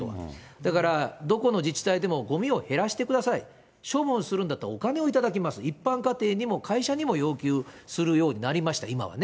だからどこの自治体でもごみを減らしてください、処分するんだったらお金を頂きます、一般家庭にも会社にも要求するようになりました、今はね。